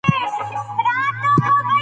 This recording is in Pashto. هغه د ټولنې له حالاتو ډیره خبرتیا لرله.